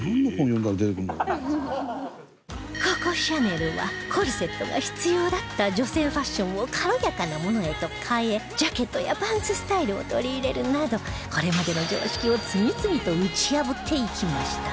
ココ・シャネルはコルセットが必要だった女性ファッションを軽やかなものへと変えジャケットやパンツスタイルを取り入れるなどこれまでの常識を次々と打ち破っていきました